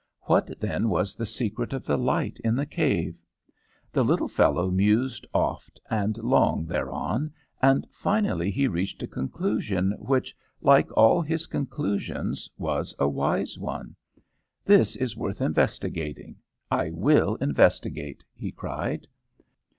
What, then, was the secret of the light in the cave? The little fellow mused oft and long thereon, and finally he reached a conclusion, which, like all his conclusions, was a wise one. "'This is worth investigating. I will investigate,' he cried.